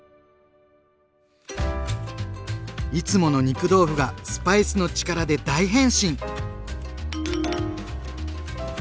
いつもの肉豆腐がスパイスの力で大変身！